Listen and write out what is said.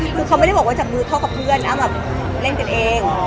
คือเขาไม่ได้บอกว่าจะพูดทอดกับเพื่อนอ้าวแบบเล่นกันเอง